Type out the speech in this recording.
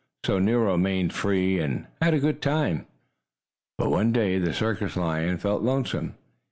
So Nero remained free and had a good time. But one day the circus lion felt lonesome.